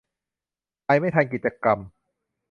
ไปไม่ทันกิจกรรม